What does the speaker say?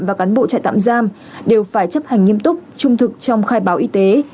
và cán bộ trại tạm giam đều phải chấp hành nghiêm túc trung thực trong khai báo y tế